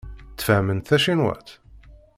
Tfehhmemt tacinwat?